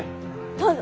どうぞ！